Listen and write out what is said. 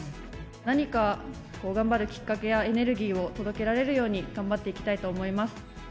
何か頑張るきっかけやエネルギーを届けられるように頑張っていきたいと思います。